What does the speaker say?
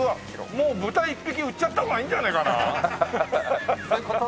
もう豚１匹売っちゃった方がいいんじゃねえかな？